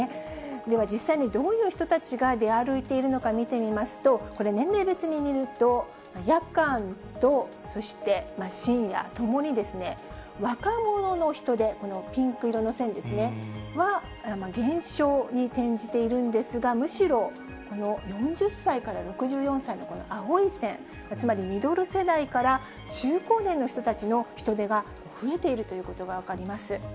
では、実際にどういう人たちが出歩いているのか見てみますと、これ、年齢別に見ると、夜間と、そして深夜ともに、若者の人出、このピンク色の線は減少に転じているんですが、むしろこの４０歳から６４歳のこの青い線、つまりミドル世代から中高年の人たちの人出が増えているということが分かります。